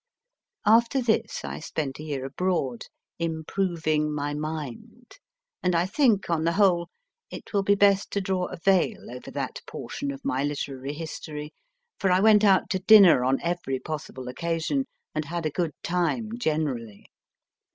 After this, I spent a year abroad, improving my mind and I think, on the whole, it will be best to draw a veil over that portion of my literary history, for I went out to dinner on every possible occasion, and had a good time generally.